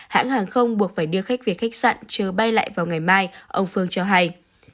hãng hàng không buộc phải đưa khách về khách sạn chờ bay lại vào ngày mai ông phương cho hay